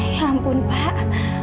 ya ampun pak